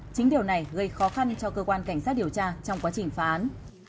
chính điều này gây khó khăn cho cơ quan cảnh sát điều tra trong quá trình phá án